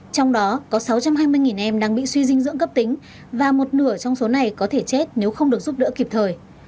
trong đó có sáu trăm hai mươi em đang bị suy dinh dưỡng cấp tính và một nửa trong số này có thể chết nếu không được giúp đỡ kịp thời